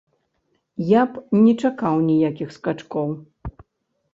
Я б не чакаў ніякіх скачкоў.